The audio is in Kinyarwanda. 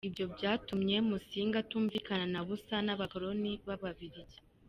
Ibyo byatumwye Musinga atumvikana na busa n’abakoloni b’Ababiligi.